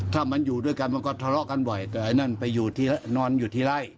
ถ้ามันอยู่ด้วยกันมันก็ทะเลาะกันบ่อยแต่ไอ้นั่นไปอยู่ที่นอนอยู่ที่ไล่